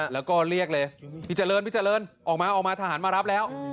แล้วก็เรียกเลยพี่เจริญพี่เจริญออกมาออกมาทหารมารับแล้ว